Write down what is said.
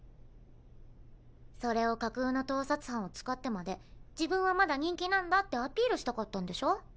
それを架空の盗撮犯を使ってまで自分はまだ人気なんだってアピールしたかったんでしょ。